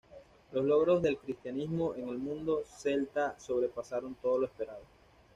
Los logros del cristianismo en el mundo celta sobrepasaron todo lo esperado.